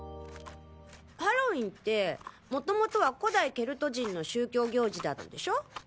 ハロウィンってもともとは古代ケルト人の宗教行事だったんでしょう？